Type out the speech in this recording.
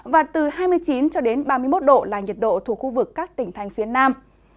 và từ hai mươi chín ba mươi một độ là nhiệt độ thuộc khu vực các tỉnh thành phía nam